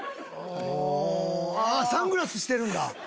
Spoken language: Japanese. あサングラスしてるんだ！